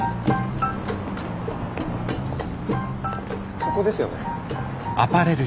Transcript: ここですよね？